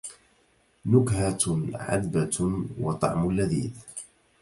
نكهةٌ عذبةٌ وطعم لذيذٌ